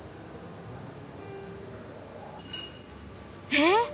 えっ！